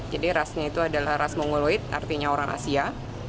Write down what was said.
jadi rasnya itu adalah ras mongoloid artinya orang asia